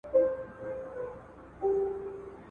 تندرستي د خدای لوی نعمت دی.